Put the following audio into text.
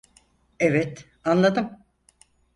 Evet, anladım.